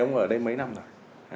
ông ở đây mấy năm rồi